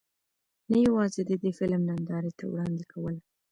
نۀ يواځې د دې فلم نندارې ته وړاندې کول